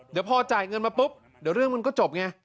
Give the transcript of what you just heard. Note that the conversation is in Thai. เดี๋ยวพอจ่ายเงินมาปุ๊บเดี๋ยวเรื่องมันก็จบไง